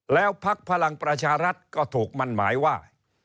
แล้วพักพลังประชารัฐก็ถูกมั่นหมายว่า